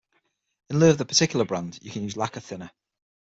In lieu of their particular brand, you can use lacquer thinner.